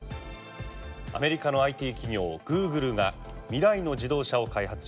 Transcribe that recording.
アメリカのＩＴ企業グーグルが未来の自動車を開発中です。